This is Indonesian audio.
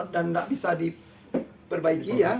dan gak bisa diperbaiki ya